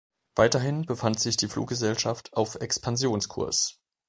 Weiterhin befand sich die Fluggesellschaft auf Expansionskurs.